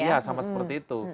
iya sama seperti itu